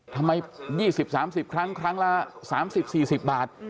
ทำไม๒๐๓๐ครั้งครั้งละ๓๐๔๐บาท